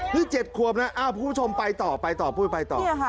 ที่เจ็ดขวบนั้นผู้ชมไปต่อพูดไปต่อ